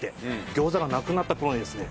餃子がなくなった頃にですね